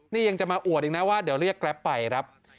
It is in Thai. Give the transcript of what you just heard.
นี่ยังจะมาอวดอีกนะว่าเดี๋ยวเรียกแกรปไปครับ